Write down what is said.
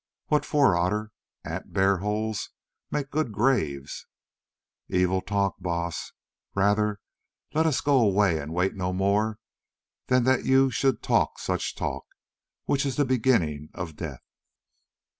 "What for, Otter? Ant bear holes make good graves." "Evil talk, Baas. Rather let us go away and wait no more than that you should talk such talk, which is the beginning of death."